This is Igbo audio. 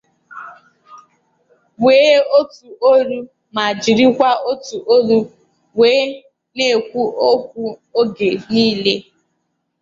nwee ótù olu ma jirikwa ótù olu wee na-ekwu okwu oge niile